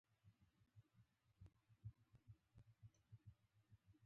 لوی پانګوال د تولید د انحصار هڅه کوله